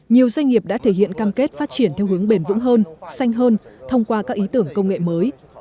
nhiều doanh nghiệp đã thể hiện cam kết phát triển theo hướng bền vững hơn xanh hơn thông qua các ý tưởng công nghệ mới